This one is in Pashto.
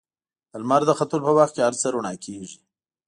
د لمر د ختلو په وخت کې هر څه رڼا کېږي.